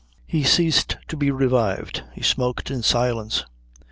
He ceased to be revived. He smoked in silence.